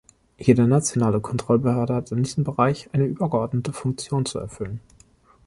Jede nationale Kontrollbehörde hat in diesem Bereich eine übergeordnete Funktion zu erfüllen.